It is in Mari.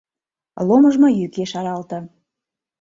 Ломыжмо йӱк ешаралте.